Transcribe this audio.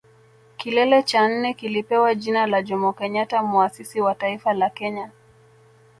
Kilele cha nne kilipewa jina la Jomo Kenyatta Muasisi wa Taifa la Kenya